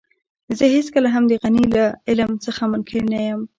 زه هېڅکله هم د غني له علم څخه منکر نه يم.